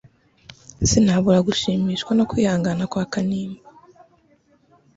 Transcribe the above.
Sinabura gushimishwa no kwihangana kwa Kanimba